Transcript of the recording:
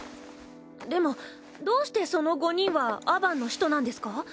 でもどうしてその５人はアバンの使徒なんですか？